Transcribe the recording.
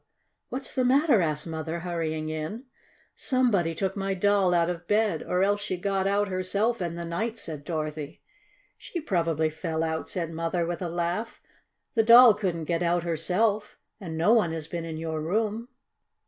"What's the matter?" asked Mother, hurrying in. "Somebody took my Doll out of bed, or else she got out herself in the night!" said Dorothy. "She probably fell out," said Mother, with a laugh. "The Doll couldn't get out herself, and no one has been in your room."